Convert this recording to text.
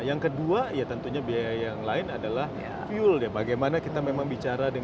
yang kedua ya tentunya biaya yang lain adalah fuel ya bagaimana kita memang bicara dengan